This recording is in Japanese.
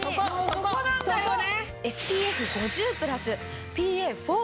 そこなんだよね。